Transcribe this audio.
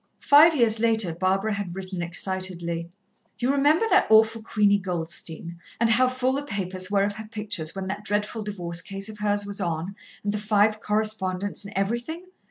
Five years later Barbara had written excitedly: "You remember that awful Queenie Goldstein? and how full the papers were of her pictures, when that dreadful divorce case of hers was on, and the five co respondents and everything?